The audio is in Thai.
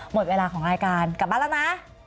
หมดเวลาของรายการกลับบ้านแล้วนะ